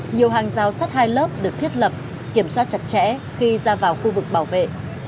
nhiều hàng giao sắt hai lớp được thiết lập kiểm soát chặt chẽ khi ra vào khu vực bảo vệ